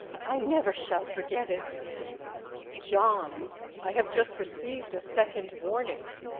I never shall forget it!—'_John, I have just received a second warning.